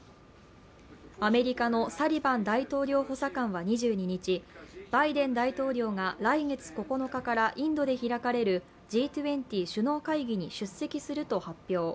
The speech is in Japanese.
アメリカのサリバン大統領補佐官は２２日バイデン大統領が来月９日からインドで開かれるＧ２０首脳会議に出席すると発表。